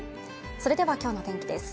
それではきょうの天気です